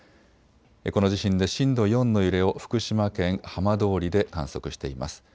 この地震で震度４の揺れを福島県浜通りで観測しています。